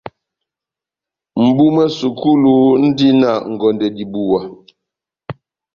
Mʼbu mwá sukulu múndi na ngondɛ dibuwa.